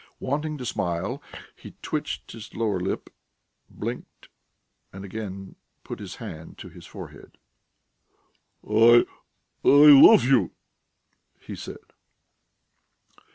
Wanting to smile, he twitched his lower lip, blinked, and again put his hand to his forehead. "I ... I love you," he said.